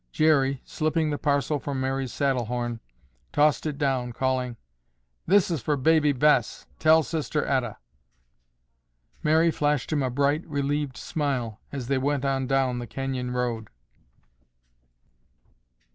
Jerry, slipping the parcel from Mary's saddle horn, tossed it down, calling, "This is for Baby Bess, tell Sister Etta." Mary flashed him a bright, relieved smile as they went on down the canyon road.